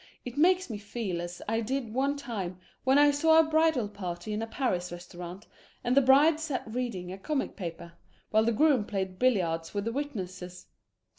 It makes me feel as I did one time when I saw a bridal party in a Paris restaurant, and the bride sat reading a comic paper, while the groom played billiards with the witnesses.